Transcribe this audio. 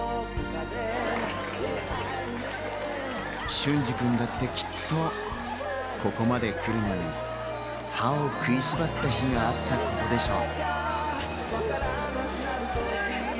隼司君だってきっと、ここまで来るのに歯を食いしばった日があったことでしょう。